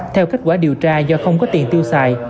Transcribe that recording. theo kết quả điều tra do không có tiền tiêu xài